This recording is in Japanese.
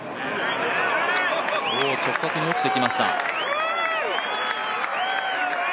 直角に落ちてきました。